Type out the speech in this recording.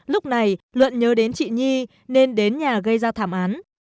lúc này luận nhớ đến chị nhi nên đến nhà gây ra thảm án